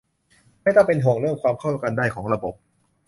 ไม่ต้องเป็นห่วงเรื่องความเข้ากันได้ของระบบ